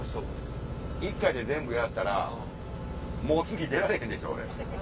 １回で全部やったらもう次出られへんでしょ俺。